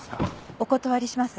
お断りします。